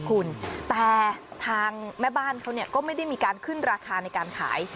คุณแต่ทางแม่บ้านเขาก็ไม่ได้มีการขึ้นราคาในการขาย